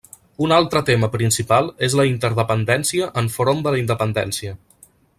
Un altre tema principal és la interdependència enfront de la independència.